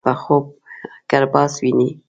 لڅ په خوب کرباس ويني.